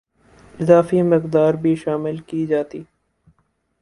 اضافی مقدار بھی شامل کی جاتی